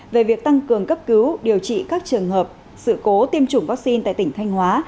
về việc tăng cường cấp cứu điều trị các trường hợp sự cố tiêm chủng vaccine tại tỉnh thanh hóa